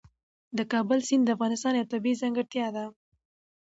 د کابل سیند د افغانستان یوه طبیعي ځانګړتیا ده.